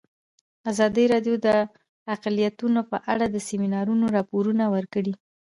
ازادي راډیو د اقلیتونه په اړه د سیمینارونو راپورونه ورکړي.